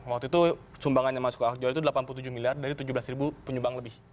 waktu itu sumbangannya masuk ke ahok jawa itu delapan puluh tujuh miliar dari tujuh belas ribu penyumbang lebih